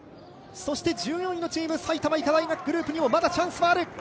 １４位のチーム、埼玉医科大学グループにもまだチャンスはある。